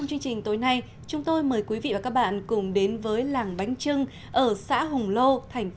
giữ gìn sử dụng đồng tiền này cho hợp lý